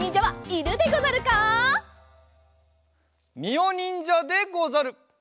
みおにんじゃでござる！